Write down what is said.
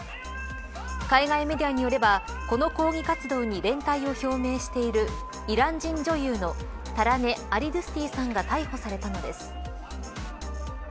海外メディアによればこの抗議活動に連帯を表明しているイラン人女優のタラネ・アリドゥスティさんが逮捕されたのです。